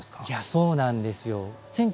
いやそうなんですよ。